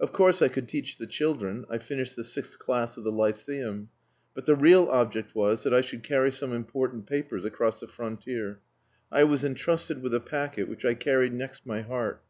Of course I could teach the children, I finished the sixth class of the Lyceum; but the real object was, that I should carry some important papers across the frontier. I was entrusted with a packet which I carried next my heart.